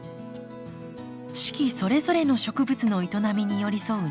四季それぞれの植物の営みに寄り添う庭づくり。